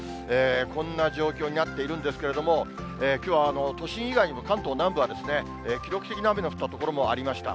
こんな状況になっているんですけれども、きょうは都心以外にも、関東南部は記録的な雨の降った所もありました。